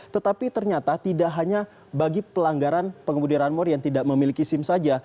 tetapi ternyata tidak hanya bagi pelanggaran pengemudi run more yang tidak memiliki sim saja